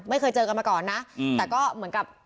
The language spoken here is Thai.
ไม่เคยเจอกันมาก่อนนะแต่ก็เหมือนกับ